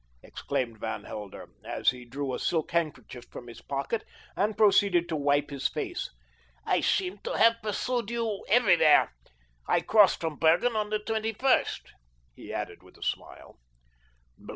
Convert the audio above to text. exclaimed Van Helder, as he drew a silk handkerchief from his pocket and proceeded to wipe his face. "I seem to have pursued you to everywhere. I crossed from Bergen on the 21st," he added with a smile.